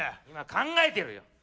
今考えてるよ！